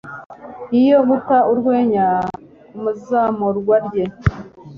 iyo, guta urwenya kumuzamurwa rye